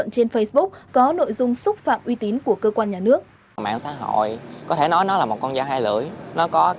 trên facebook có nội dung xúc phạm uy tín của cơ quan nhà nước